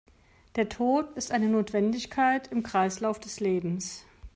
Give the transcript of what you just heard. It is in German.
Der Tod ist eine Notwendigkeit im Kreislauf des Lebens.